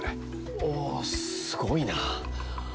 おおすごいな。